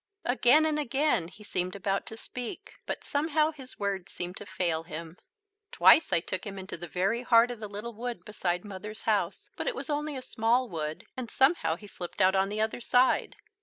Again and again, he seemed about to speak. But somehow his words seemed to fail him. Twice I took him into the very heart of the little wood beside Mother's house, but it was only a small wood, and somehow he slipped out on the other side.